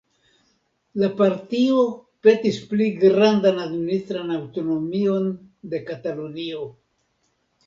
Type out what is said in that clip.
La partio petis pli grandan administran aŭtonomion de Katalunio.